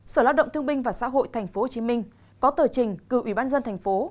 sở lao động thương binh và xã hội tp hcm có tờ trình cựu ủy ban dân tp